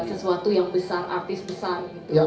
sesuatu yang besar artis besar